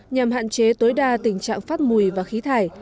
nhằm hạn chế tối đa tình trạng phát mùi và khí thải